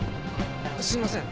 すいません。